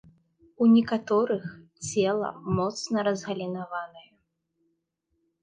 У некаторых цела моцна разгалінаванае.